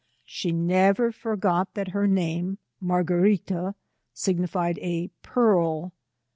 She never forgot that her name, Margarita, signified a pearl.